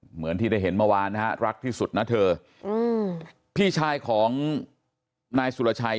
เหมือนที่ได้เห็นเมื่อวานนะฮะรักที่สุดนะเธออืมพี่ชายของนายสุรชัย